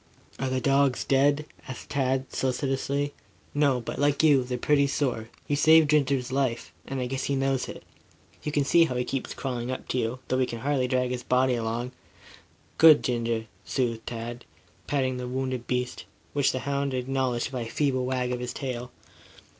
"Are the dogs dead?" asked Tad solicitously. "No. But, like you, they're pretty sore. You saved Ginger's life, and I guess he knows it. You can see how he keeps crawling up to you, though he can hardly drag his body along." "Good Ginger," soothed Tad, patting the wounded beast, which the hound acknowledged by a feeble wag of its tail.